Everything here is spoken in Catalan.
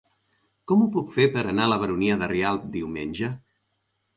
Com ho puc fer per anar a la Baronia de Rialb diumenge?